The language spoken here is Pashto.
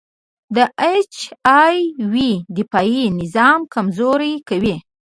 د اچ آی وي دفاعي نظام کمزوری کوي.